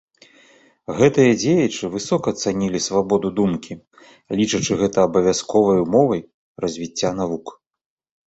Гэтыя дзеячы высока цанілі свабоду думкі, лічачы гэта абавязковай умовай развіцця навук.